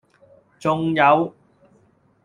仲有